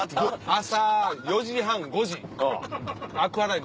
朝４時半５時アクアライン